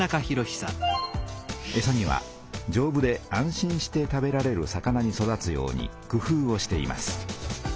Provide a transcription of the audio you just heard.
えさにはじょうぶで安心して食べられる魚に育つようにくふうをしています。